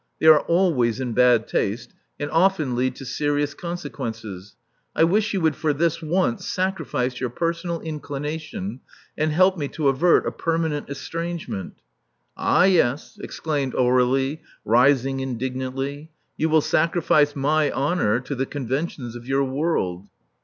They are always in bad taste, and often lead to serious consequences. I wish you would for this once sacrifice your personal inclination, and help me to avert a permanent estrangement." '*Ah yes," exclaimed Aur^lie, rising indignantly. You will sacrifice my honor to the conventions of your world."